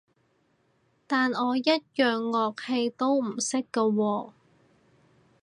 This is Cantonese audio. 但我一樣樂器都唔識㗎喎